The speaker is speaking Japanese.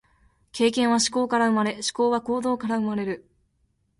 経験は思考から生まれ、思考は行動から生まれる。